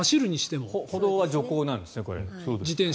歩道は徐行なんですよね。